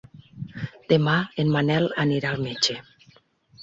Demà en Manel anirà al metge.